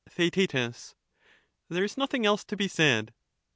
Theaet, There is nothing else to be said.